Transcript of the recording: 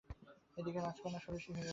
এদিকে রাজকন্যা ষোড়শী হইয়া উঠিয়াছে।